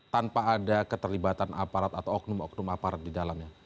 tanpa ada keterlibatan aparat atau oknum oknum aparat di dalamnya